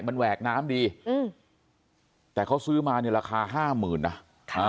มันแหวกน้ำดีอืมแต่เขาซื้อมาเนี่ยราคาห้าหมื่นนะค่ะ